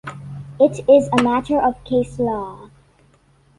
It is a matter of case law.